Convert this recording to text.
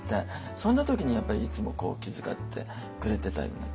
そんな時にやっぱりいつもこう気遣ってくれてたような気がしますね。